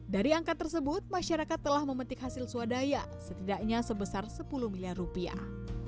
dari angka tersebut masyarakat telah memetik hasil swadaya setidaknya sebesar sepuluh miliar rupiah